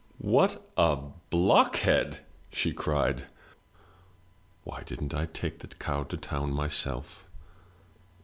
"What a blockhead!" she cried. "Why didn^t I take the cow to town myself!